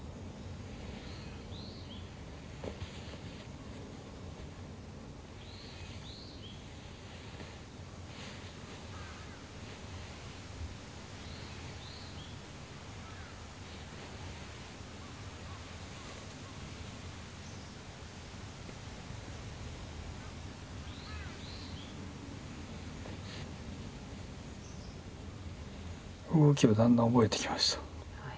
動きをだんだん覚えてきました。